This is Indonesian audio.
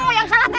aduh yang salah